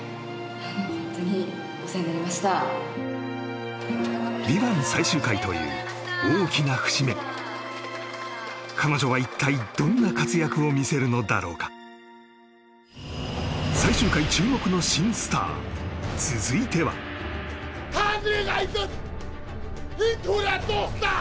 本当にお世話になりました「ＶＩＶＡＮＴ」最終回という大きな節目彼女は一体どんな活躍を見せるのだろうか最終回注目の新スター続いてはハハハハッ！